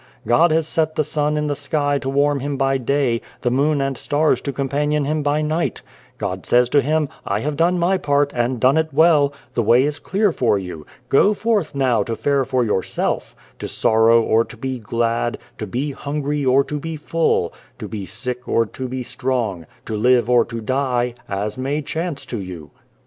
God has set the sun in the sky to warm him by day, the moon and stars to companion him by night. God says to him, ' I have done My part, and done it well. The way is clear for you. Go forth, now, to fare for yourself, to sorrow or to be glad, to be hungry or to be full, to be sick or to be strong, to live or to die, as may chance to you.'"